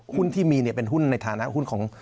ที่มีเป็นหุ้นในฐานะหุ้นของ